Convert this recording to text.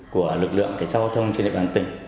của lực lượng giao thông trên địa bàn tỉnh